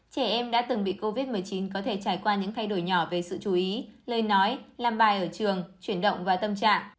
trẻ em đã từng bị covid một mươi chín có thể trải qua những thay đổi nhỏ về sự chú ý lời nói làm bài ở trường chuyển động và tâm trạng